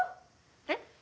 えっ？